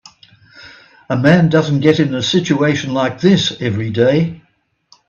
A man doesn't get in a situation like this every day.